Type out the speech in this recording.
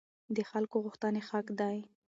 د خلکو غوښتنې حق دي